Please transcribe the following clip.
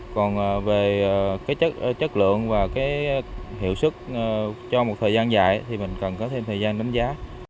còn về cái chất lượng và cái hiệu sức cho một thời gian dài thì mình cần có thêm thời gian đánh giá